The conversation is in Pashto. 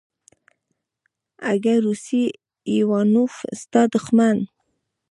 اگه روسی ايوانوف ستا دښمن.